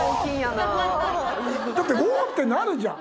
だって「うおー！」ってなるじゃん。